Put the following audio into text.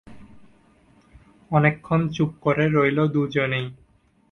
অনেকক্ষণ চুপ করে রইল দুজনেই।